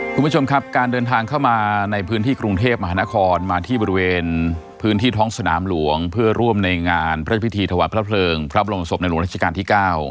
คุณผู้ชมครับการเดินทางเข้ามาในพื้นที่กรุงเทพมหานครมาที่บริเวณพื้นที่ท้องสนามหลวงเพื่อร่วมในงานพระพิธีถวายพระเพลิงพระบรมศพในหลวงราชการที่๙